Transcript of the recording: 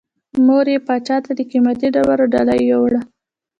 مور یې پاچا ته د قیمتي ډبرو ډالۍ یووړه.